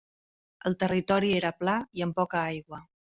El territori era pla i amb poca aigua.